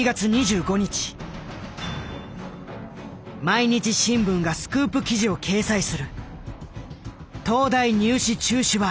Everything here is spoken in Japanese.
毎日新聞がスクープ記事を掲載する。